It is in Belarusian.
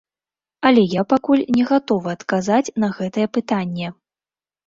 Але я пакуль не гатовы адказаць на гэтае пытанне.